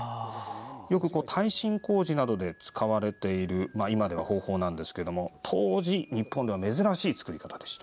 よく耐震工事などで使われている方法で当時、日本では珍しい作り方でした。